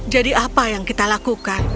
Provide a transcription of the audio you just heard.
jadi apa yang akan kami lakukan